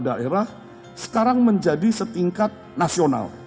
daerah sekarang menjadi setingkat nasional